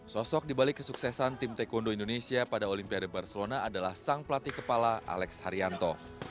sosok dibalik kesuksesan tim taekwondo indonesia pada olimpiade barcelona adalah sang pelatih kepala alex haryanto